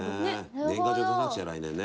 年賀状出さなくちゃ来年ね。